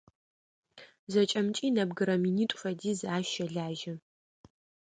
Зэкӏэмкӏи нэбгырэ минитӏу фэдиз ащ щэлажьэ.